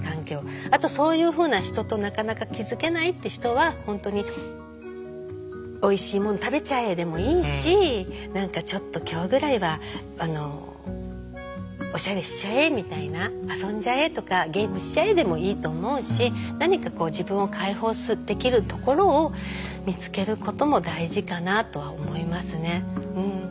あとそういうふうな人となかなか築けないって人は本当に「おいしいもの食べちゃえ」でもいいし「何かちょっと今日ぐらいはおしゃれしちゃえ」みたいな「遊んじゃえ」とか「ゲームしちゃえ」でもいいと思うし何かこう自分を解放できるところを見つけることも大事かなとは思いますね。